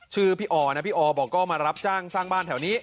ชื่อพี่ออนะพี่ออบอกก็มารับจ้างสร้างบ้านแถวนี้